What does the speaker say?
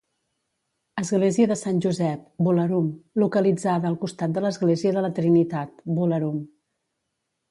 Església de Sant Josep, Bolarum localitzada al costat de l'Església de la Trinitat, Bolarum.